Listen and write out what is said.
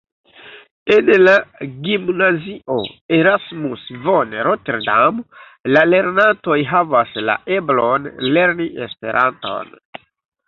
En la gimnazio Erasmus-von-Rotterdam la lernantoj havas la eblon lerni Esperanton.